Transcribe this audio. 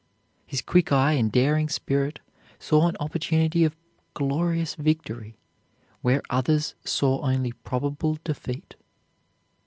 His quick eye and daring spirit saw an opportunity of glorious victory where others saw only probable defeat.